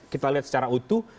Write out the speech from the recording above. kita lihat secara utuh